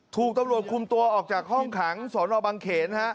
ถูกตำรวจคุมตัวออกจากห้องขังสนบังเขน